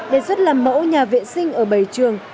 đề xuất làm mẫu nhà vệ sinh ở bảy trường